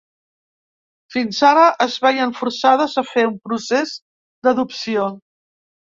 Fins ara es veien forçades a fer un procés d’adopció.